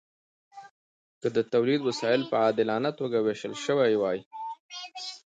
که د تولید وسایل په عادلانه توګه ویشل شوي وای.